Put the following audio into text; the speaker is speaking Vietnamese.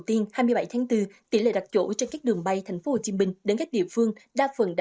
tiên hai mươi bảy tháng bốn tỷ lệ đặt chỗ trên các đường bay thành phố hồ chí minh đến các địa phương đa phần